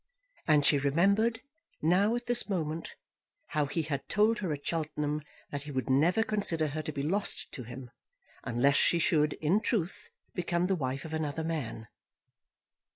And she remembered, now at this moment, how he had told her at Cheltenham that he would never consider her to be lost to him, unless she should, in truth, become the wife of another man.